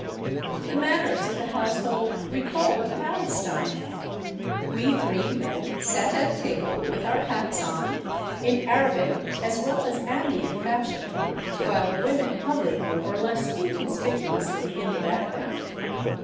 The manners of the household recalled Palestine. We three men sat at table with our hats on, in Arabic as well as Andean' fashion, while the women hovered more or less inconspicuously in the background.